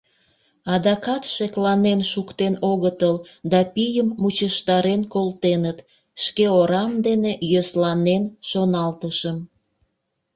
«Адакат шекланен шуктен огытыл да пийым мучыштарен колтеныт! — шке орам дене йӧсланен шоналтышым.